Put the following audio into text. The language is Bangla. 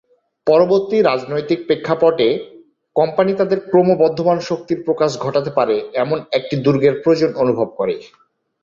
পরিবর্তিত রাজনৈতিক প্রেক্ষাপটে কোম্পানি তাদের ক্রমবর্ধমান শক্তির প্রকাশ ঘটাতে পারে এমন একটি দুর্গের প্রয়োজন অনুভব করে।